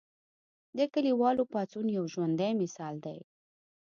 د کلیوالو پاڅون یو ژوندی مثال دی.